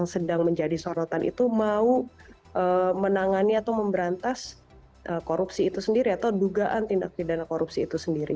yang sedang menjadi sorotan itu mau menangani atau memberantas korupsi itu sendiri atau dugaan tindak pidana korupsi itu sendiri